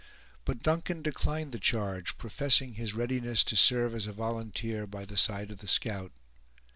But Duncan declined the charge, professing his readiness to serve as a volunteer by the side of the scout.